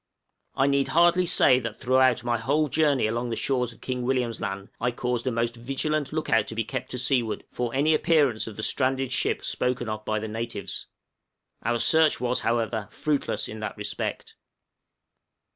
I need hardly say that throughout the whole of my journey along the shores of King William's Land I caused a most vigilant look out to be kept to seaward for any appearance of the stranded ship spoken of by the natives; our search was however fruitless in that respect.